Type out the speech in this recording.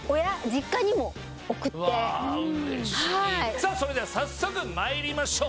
さあそれでは早速参りましょう。